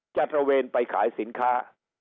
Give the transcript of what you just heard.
ตระเวนไปขายสินค้า